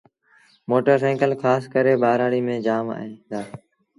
موٽر سآئيٚڪل کآس ڪري ٻآرآڙيٚ ميݩ جآم هئيٚن دآ۔